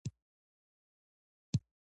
په اردو او پښتو کې هم په عاشق پورې تړلي صفتونه